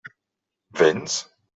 Véns?